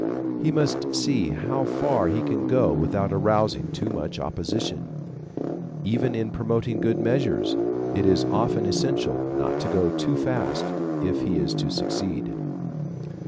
He must see how far he can go without arousing too much opposition. Even in promoting good measures, it is often essential not to go too fast, if he is to succeed.